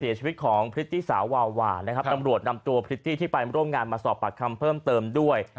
เสียชีวิตของพริตตี้สาววาวานะครับตำรวจนำตัวพริตตี้ที่ไปร่วมงานมาสอบปากคำเพิ่มเติมด้วย